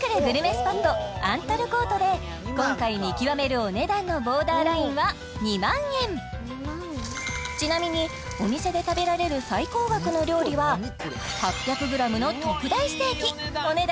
スポットアントルコートで今回見極めるお値段のボーダーラインは２万円ちなみにお店で食べられる最高額の料理は８００ｇの特大ステーキお値段